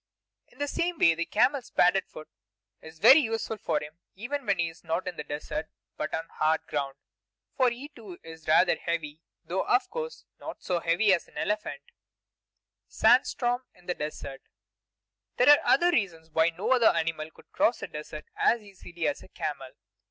In the same way the camel's padded foot is very useful to him even when he is not in the desert, but on hard ground; for he too is rather heavy, though of course not so heavy as an elephant. [Illustration: Sand Storm in the Desert] There are other reasons why no other animal could cross a desert as easily as a camel.